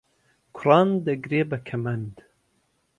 کوڕان دەگرێ بە کەمەند